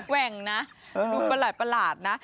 แหว่งนะดูประหลาดนะ